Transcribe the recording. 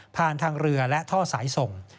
ทางเรือและท่อสายส่ง